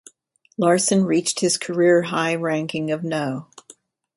Larsson reached his career high ranking of no.